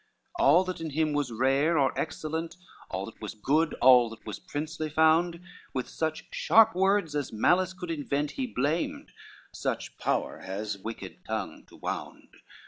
XXIV All that in him was rare or excellent, All that was good, all that was princely found, With such sharp words as malice could invent, He blamed, such power has wicked tongue to wound.